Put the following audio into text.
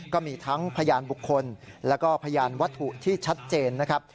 ก็มีทั้งพยานบุคคลแล้วก็พยานวัตถุที่ชัดเจนนะครับ